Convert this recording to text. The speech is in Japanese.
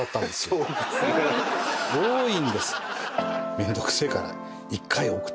めんどくせえから。